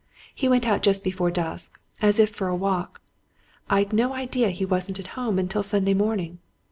He went out just before dusk, as if for a walk. I'd no idea that he wasn't at home until Sunday morning.